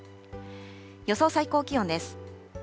予想最高気温です。